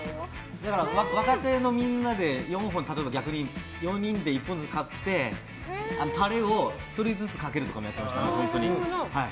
若手のみんなで例えば、４人で１本ずつ買ってタレを１人ずつかけるとかもやってましたね。